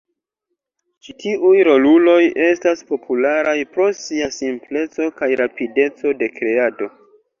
Ĉi tiuj roluloj estas popularaj pro sia simpleco kaj rapideco de kreado.